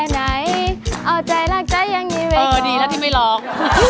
ดีแล้วที่ไม่ร้อง